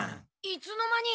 いつの間に。